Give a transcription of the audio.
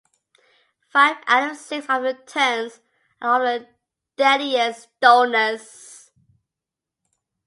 Five out of six of the turns are of the deadliest dullness.